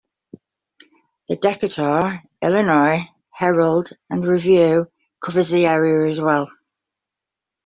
The Decatur, Illinois "Herald and Review" covers the area as well.